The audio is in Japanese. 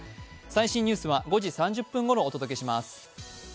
最新ニュースは５時３０分ごろお届けします。